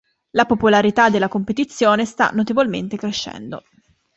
La popolarità della competizione sta notevolmente crescendo.